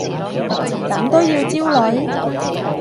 咁都要焦慮？